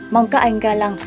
mong các anh ga lăng